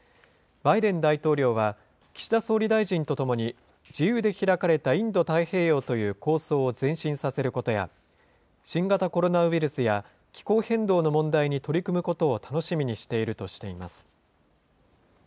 バイデン大統領は、岸田総理大臣と共に自由で開かれたインド太平洋という構想を前進させることや、新型コロナウイルスや気候変動の問題に取り組むことを楽しみにしているとしています。